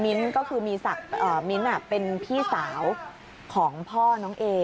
ก็คือมีศักดิ์มิ้นท์เป็นพี่สาวของพ่อน้องเอ